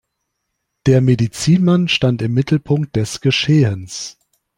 Der Medizinmann stand im Mittelpunkt des Geschehens.